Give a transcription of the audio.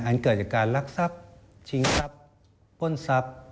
เกิดจากการรักทรัพย์ชิงทรัพย์ปล้นทรัพย์